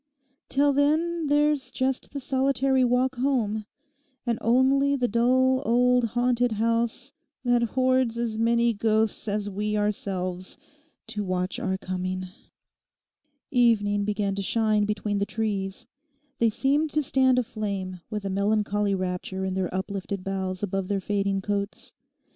Till then there's just the solitary walk home and only the dull old haunted house that hoards as many ghosts as we ourselves to watch our coming.' Evening began to shine between the trees; they seemed to stand aflame, with a melancholy rapture in their uplifted boughs above their fading coats.